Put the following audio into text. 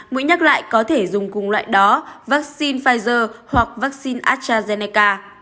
mũi nhắc lại có thể dùng cùng loại đó vaccine pfizer hoặc vaccine astrazeneca